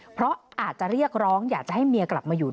เพราะอาจจะเรียกร้องอยากจะให้เมียกลับมาอยู่